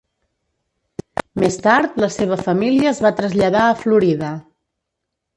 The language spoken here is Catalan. Més tard la seva família es va traslladar a Florida.